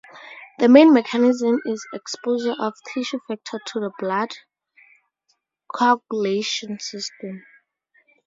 The main mechanism is exposure of tissue factor to the blood coagulation system.